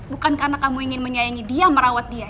bukan karena kamu ingin menyayangi dia merawat dia